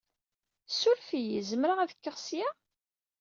Suref-iyi. Zemreɣ ad kkeɣ s ya?